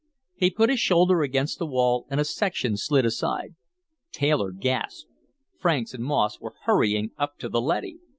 He put his shoulder against the wall and a section slid aside. Taylor gasped Franks and Moss were hurrying up to the leady!